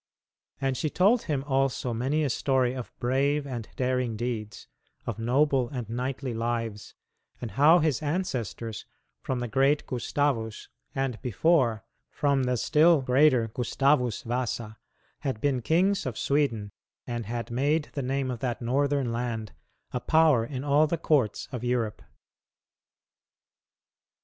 And she told him also many a story of brave and daring deeds, of noble and knightly lives, and how his ancestors, from the great Gustavus, and, before, from the still greater Gustavus Vasa, had been kings of Sweden, and had made the name of that Northern land a power in all the courts of Europe.